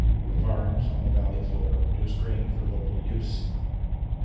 The farms on the valley floor produced grain for local use.